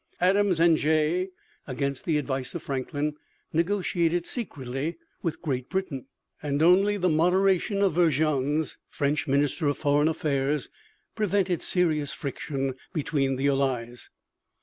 Adams and Jay, against the advice of Franklin, negotiated secretly with Great Britain, and only the moderation of Vergennes, French Minister of Foreign Affairs, prevented serious friction between the allies.